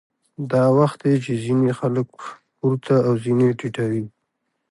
دا وخت دی چې ځینې خلک پورته او ځینې ټیټوي